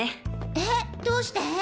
えっどうして？